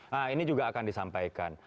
nah ini juga akan disampaikan